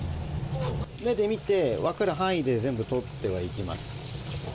目で見て、分かる範囲で全部取ってはいきます。